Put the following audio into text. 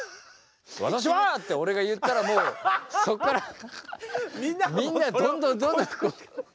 「私は！」って俺が言ったらそっからみんなどんどんどんどん。